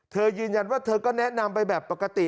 เธอยืนยันว่าเธอก็แนะนำไปแบบปกติ